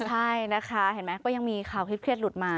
ใช่นะคะเห็นไหมก็ยังมีข่าวเครียดหลุดมา